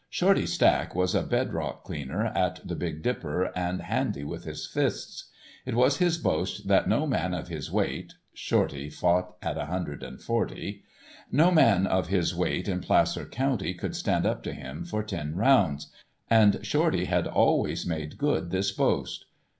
Shorty Stack was a bedrock cleaner at the "Big Dipper," and handy with his fists. It was his boast that no man of his weight (Shorty fought at a hundred and forty) no man of his weight in Placer County could stand up to him for ten rounds, and Shorty had always made good this boast.